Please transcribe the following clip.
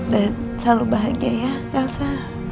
dan selalu bahagia ya elsa